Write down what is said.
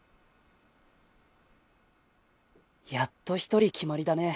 やっと１人決まりだね。